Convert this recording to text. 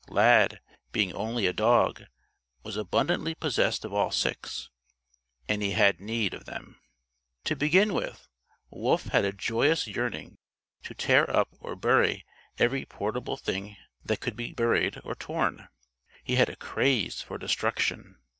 Lad, being only a dog, was abundantly possessed of all six. And he had need of them. To begin with, Wolf had a joyous yearning to tear up or bury every portable thing that could be buried or torn. He had a craze for destruction.